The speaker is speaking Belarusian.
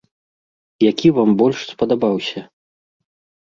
Які вам больш спадабаўся?